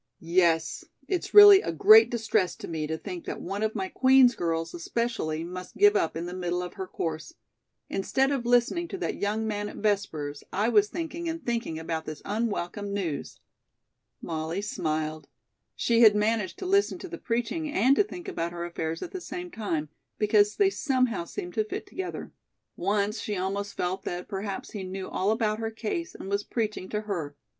"Yes. It's really a great distress to me to think that one of my Queen's girls especially must give up in the middle of her course. Instead of listening to that young man at Vespers, I was thinking and thinking about this unwelcome news." Molly smiled. She had managed to listen to the preaching and to think about her affairs at the same time, because they somehow seemed to fit together. Once she almost felt that perhaps he knew all about her case and was preaching to her.